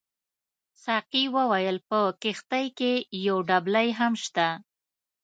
ساقي وویل په کښتۍ کې یو دبلۍ هم شته.